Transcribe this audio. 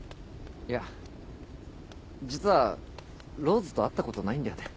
いや実はローズと会ったことないんだよね。